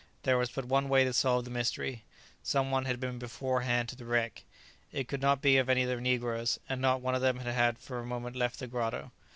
There was but one way to solve the mystery. Some one had been beforehand to the wreck. It could not be any of the negroes, as not one of them had for a moment left the grotto.